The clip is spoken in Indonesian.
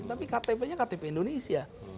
tapi ktp nya ktp indonesia